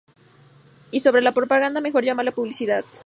Y sobre la propaganda, mejor llamarla publicidad.